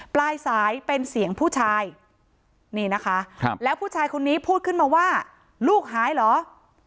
ปลายสายเป็นเสียงผู้ชายนี่นะคะแล้วผู้ชายคนนี้พูดขึ้นมาว่าลูกหายเหรอ